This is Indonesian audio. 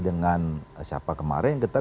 dengan siapa kemarin kita